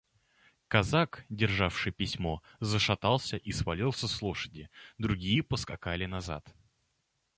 Казак, державший письмо, зашатался и свалился с лошади; другие поскакали назад.